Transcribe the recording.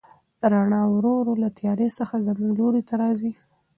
رڼا ورو ورو له تیارې څخه زموږ لوري ته راځي.